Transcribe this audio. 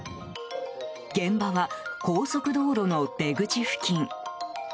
現場は高速道路の出口付近。